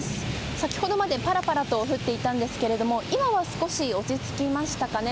先ほどまでパラパラと降っていたんですが今は少し落ち着きましたかね。